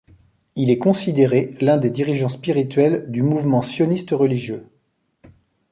Il est considéré l'un des dirigeants spirituels du mouvement sioniste religieux.